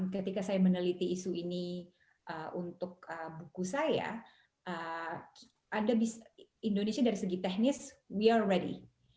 ketika saya meneliti isu ini untuk buku saya indonesia dari segi teknis were ready